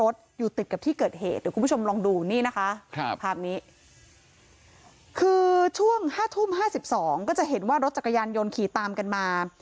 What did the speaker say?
คือช่วง๕ทุ่ม๕๒ก็จะเห็นว่ารถจักรยานยนต์ขี่ตามกันมา